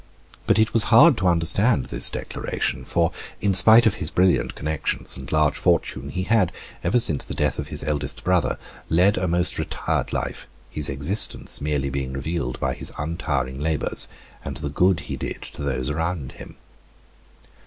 But it was hard to understand this declaration, for in spite of his brilliant connections and large fortune, he had, ever since the death of his eldest brother, led a most retired life, his existence merely being revealed by his untiring labors and the good he did to those around him.